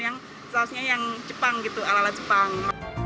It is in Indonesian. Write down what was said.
yang sausnya yang jepang gitu ala ala jepang